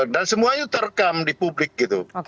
dan semuanya terekam di publik gitu